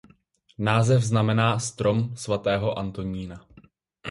Název znamená "strom svatého Antonína".